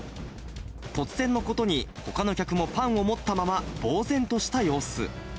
突然のことに、ほかの客もパンを持ったままぼう然とした様子。